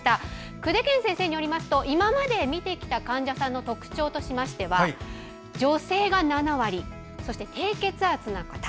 久手堅先生によりますと今まで診てきた患者さんの特徴としては女性が７割、低血圧の方。